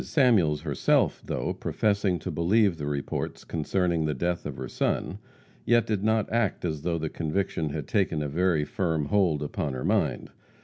Samuels herself, though professing to believe the reports concerning the death of her son, yet did not act as though the conviction had taken a very firm hold upon her mind.